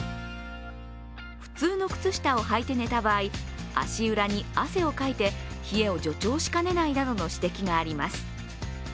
普通の靴下を履いて寝た場合足裏に汗をかいて冷えを助長しかねないなどの指摘があります。